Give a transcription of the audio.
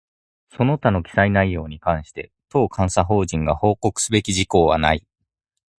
その他の記載内容に関して、当監査法人が報告すべき事項はない